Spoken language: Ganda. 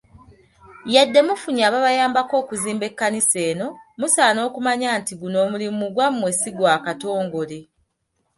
Yadde mufunye ababayambyeko okuzimba ekkanisa eno, musaana okumanya nti guno omulimu gwammwe si gwa Katongole.